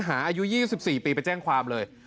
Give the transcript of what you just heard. อายุ๒๔ปีไปแจ้งความเลย